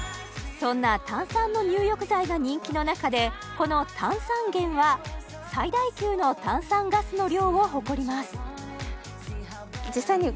そんな炭酸の入浴剤が人気の中でこの炭酸源は最大級の炭酸ガスの量を誇ります